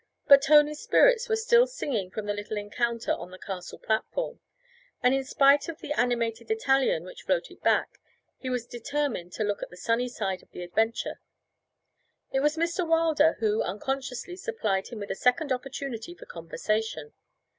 But Tony's spirits were still singing from the little encounter on the castle platform, and in spite of the animated Italian which floated back, he was determined to look at the sunny side of the adventure. It was Mr. Wilder who unconsciously supplied him with a second opportunity for conversation.